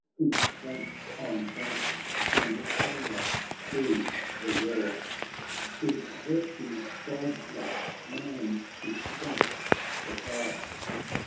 Heap ranks on ranks, and thunder thro' the war ; His virtues godlike ; man's his strength surpassed.